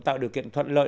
tạo điều kiện thuận lợi